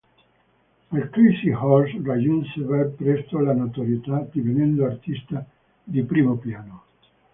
Al Crazy Horse raggiunse ben presto la notorietà divenendo artista di primo piano.